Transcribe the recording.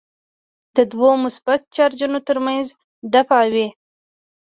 د دوو مثبت چارجونو ترمنځ دفعه وي.